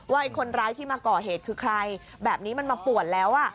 คนร้ายที่มาก่อเหตุคือใครแบบนี้มันมาป่วนแล้ว